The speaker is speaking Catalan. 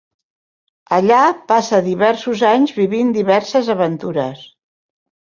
Allà passa diversos anys vivint diverses aventures.